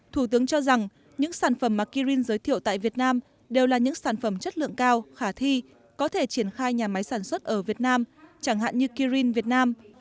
thủ tướng cho rằng những sản phẩm mà kirin giới thiệu tại việt nam đều là những sản phẩm chất lượng cao khả thi có thể triển khai nhà máy sản xuất ở việt nam chẳng hạn như kirin việt nam